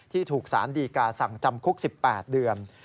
ถูกสารดีกาสั่งจำคุก๑๘เดือน